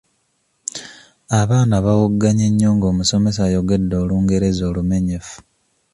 Abaana bawoggannye nnyo nga omusomesa ayogedde Olungereza olumenyefu.